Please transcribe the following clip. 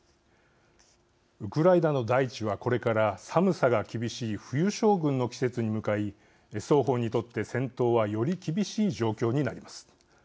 ウクライナの大地はこれから寒さが厳しい冬将軍の季節に向かい双方にとって戦闘はより厳しい状況になります。